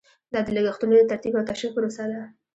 دا د لګښتونو د ترتیب او تشریح پروسه ده.